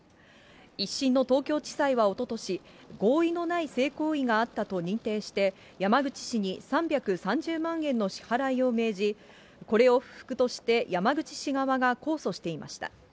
１審の東京地裁はおととし、合意のない性行為があったと認定して、山口氏に３３０万円の支払いを命じ、これを不服として山口氏側が控訴していました。